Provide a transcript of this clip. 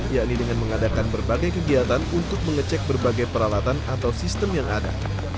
yakni dengan mengadakan berbagai kegiatan untuk mengecek berbagai peralatan atau sistem yang ada